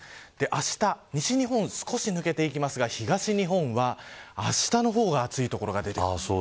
あした、西日本少し抜けていきますが東日本はあしたの方が暑いという所が出てきます。